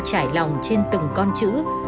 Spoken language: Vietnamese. trải lòng trên từng con chữ